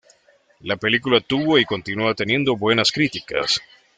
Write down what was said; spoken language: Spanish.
La película tuvo y continúa teniendo buenas críticas.